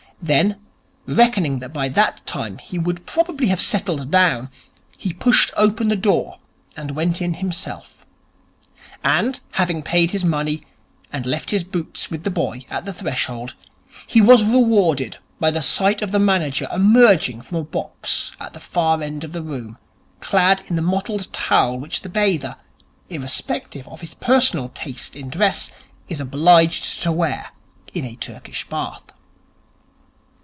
Then, reckoning that by that time he would probably have settled down, he pushed open the door and went in himself. And, having paid his money, and left his boots with the boy at the threshold, he was rewarded by the sight of the manager emerging from a box at the far end of the room, clad in the mottled towels which the bather, irrespective of his personal taste in dress, is obliged to wear in a Turkish bath.